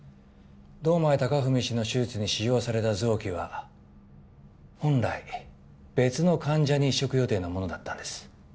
堂前隆文氏の手術に使用された臓器は本来別の患者に移植予定のものだったんです